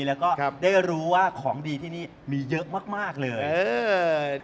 แล้วก็ได้รู้ว่าของดีที่นี่มีเยอะมากเลย